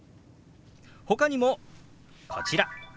ほかにもこちら。